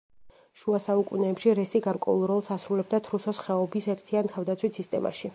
შუა საუკუნეებში რესი გარკვეულ როლს ასრულებდა თრუსოს ხეობის ერთიან თავდაცვით სისტემაში.